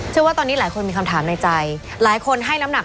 ว่าตอนนี้หลายคนมีคำถามในใจหลายคนให้น้ำหนัก